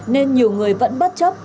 nên nhiều người vẫn bất chấp